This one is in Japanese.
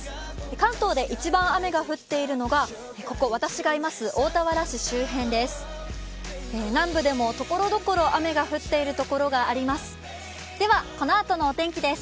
関東で一番雨が降っているのがここ、私がいます大田原市周辺です。